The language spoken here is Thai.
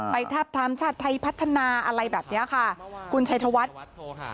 ทาบทามชาติไทยพัฒนาอะไรแบบเนี้ยค่ะคุณชัยธวัฒน์โทรหา